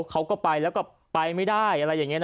เขาก็ไปไปไม่ได้